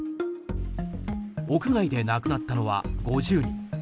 屋外で亡くなったのは５０人。